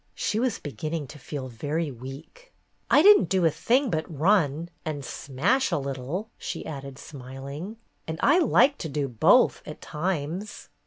She was beginning to feel very weak. "I did n't do a thing but run — and smash a little," she added, smiling. "And I like to do both, at times